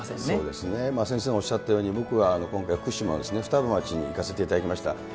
そうですね、先生がおっしゃったように、僕は今回、福島の双葉町に行かせていただきました。